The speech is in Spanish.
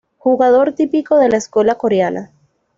Jugador típico de la escuela coreana.